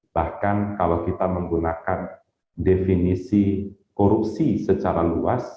bahkan kalau kita menggunakan definisi korupsi secara luas